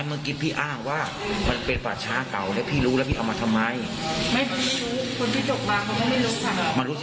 ไม่รู้ที่หลัง